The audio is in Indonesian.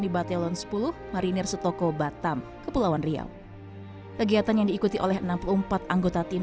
di batelon sepuluh marinir setoko batam kepulauan riau kegiatan yang diikuti oleh enam puluh empat anggota tim